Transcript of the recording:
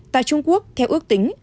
tại trung quốc theo ước tính